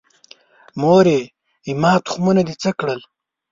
مورې، زما تخمونه دې څه کړل؟